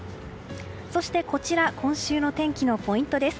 そして今週の天気のポイントです。